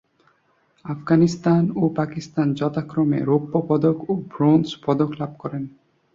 আফগানিস্তান ও পাকিস্তান যথাক্রমে রৌপ্যপদক ও ব্রোঞ্জপদক লাভ করে।